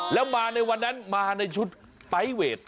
แล้วมาในวันนั้นมาในชุดไปเวท